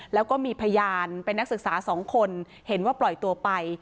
แล้วก็มีพยานเป็นนักศึกษา๒คนเห็นว่าปล่อยตัวไป